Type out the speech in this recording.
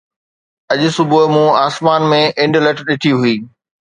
اڄ صبح مون آسمان ۾ انڊلٺ ڏٺي هئي